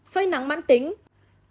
phơi nắng mãn tính